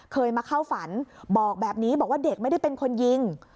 เคยมาเข้าฝันบอกแบบนี้บอกว่าเด็กไม่ได้เป็นคนยิง